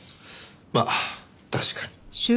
まあ確かに。